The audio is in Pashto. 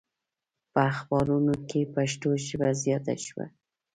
په اخبارونو کې پښتو ژبه زیاته شوه.